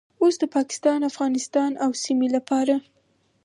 اوس د پاکستان، افغانستان او سیمې لپاره